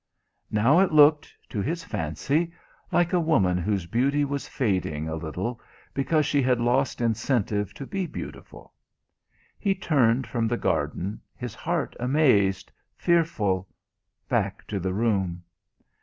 Now it looked, to his fancy, like a woman whose beauty was fading a little because she had lost incentive to be beautiful. He turned from the garden, his heart amazed, fearful, back to the room.